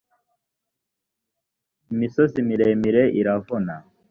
imisozi miremire iravuna.